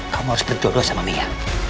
kamu harus berdoa sama mia